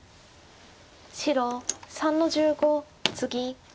白３の十五ツギ。